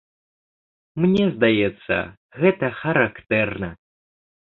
Мне здаецца, гэта характэрна.